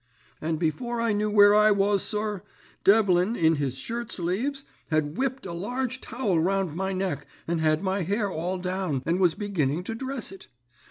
"And before I knew where I was, sir, Devlin, in his shirt sleeves, had whipped a large towel round my neck, and had my hair all down, and was beginning to dress it.